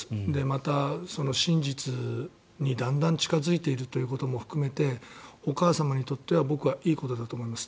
また、真実にだんだん近付いているということも含めてお母様にとっては僕はいいことだと思います。